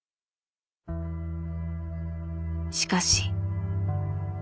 しかし。